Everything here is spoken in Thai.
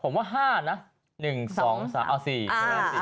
ผมว่า๕นะ๑๒๓เอา๔